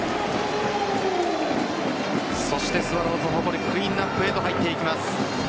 そしてスワローズの誇るクリーンアップへと入ってきます。